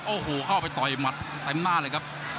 โอ้โหเข้าไปต่อยหมัดเต็มหน้าเลยครับ